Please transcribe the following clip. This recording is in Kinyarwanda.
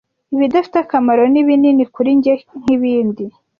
Ibidafite akamaro ni binini kuri njye nkibindi,